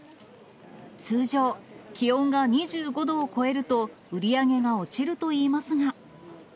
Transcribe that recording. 通常、気温が２５度を超えると、売り上げが落ちるといいますが。